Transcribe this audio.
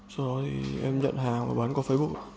sau đó thì em nhận hàng và bán qua facebook